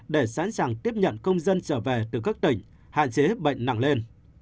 để sẵn sàng tiếp nhận công dân trở về từ các tỉnh hạn chế bệnh nặng lên